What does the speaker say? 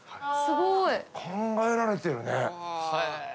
すごい。考えられてるね。